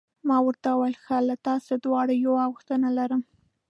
ما ورته وویل: ښه، له تاسي دواړو یوه غوښتنه لرم.